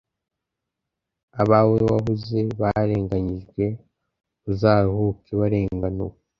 Abawe wabuze barenganyijwe Uzaruhuke barenganuwe